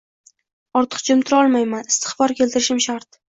Ortiq jim turolmayman, istig`for keltirishim shart